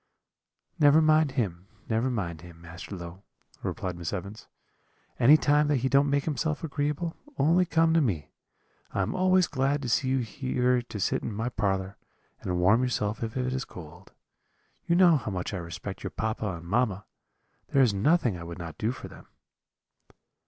"'Never mind him, never mind him, Master Low,' replied Miss Evans; 'any time that he don't make himself agreeable, only come to me; I am always glad to see you here to sit in my parlour, and warm yourself if it is cold. You know how much I respect your papa and mamma; there is nothing I would not do for them.'